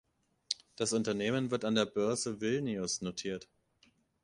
Das Unternehmen wird an der Börse Vilnius notiert.